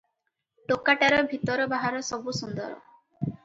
ଟୋକାଟାର ଭିତର ବାହାର ସବୁ ସୁନ୍ଦର ।